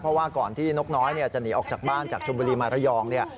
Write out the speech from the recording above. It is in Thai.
เพราะว่าก่อนที่นกน้อยจะหนีออกจากบ้านจากชมบุรีมาระยองเนี่ย